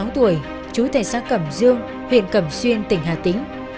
một mươi sáu tuổi chú thầy xã cẩm dương huyện cẩm xuyên tỉnh hà tĩnh